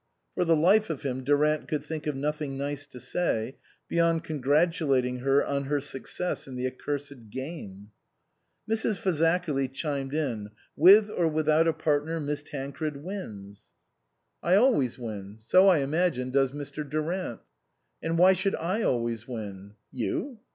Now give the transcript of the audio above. For the life of him Durant could think of nothing nice to say, beyond congratulating her on her success in the accursed game. Mrs. Fazakerly chimed in, " With or without a partner Miss Tancred wins !" T.S.Q. 49 E THE COSMOPOLITAN " I always win. So, I imagine, does Mr. Durant." " And why should I always win ?"" You